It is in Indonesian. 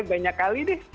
banyak kali deh